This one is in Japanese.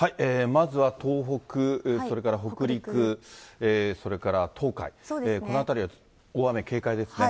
まずは東北、それから北陸、それから東海、この辺りは大雨警戒ですね。